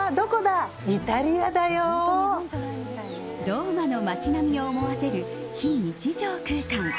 ローマの街並みを思わせる非日常空間。